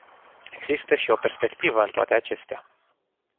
Există și o perspectivă în toate acestea.